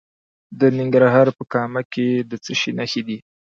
د ننګرهار په کامه کې د څه شي نښې دي؟